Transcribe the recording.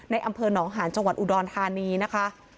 อำเภอหนองหาญจังหวัดอุดรธานีนะคะ